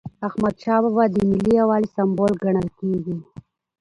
احمدشاه بابا د ملي یووالي سمبول ګڼل کېږي.